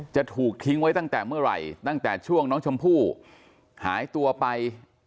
จะถูกทิ้งไว้ตั้งแต่เมื่อไหร่ตั้งแต่ช่วงน้องชมพู่หายตัวไป